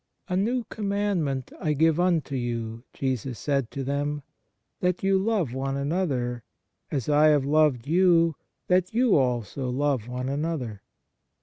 " A new commandment I give unto you," Jesus said to them, " that you love one another ; as I have loved you, that you also love one another."